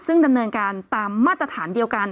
ซึ่งดำเนินการตามมาตรฐานเดียวกัน